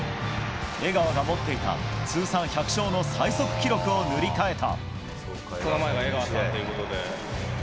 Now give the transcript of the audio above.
江川が持っていた通算１００勝の最速記録を塗り替えた。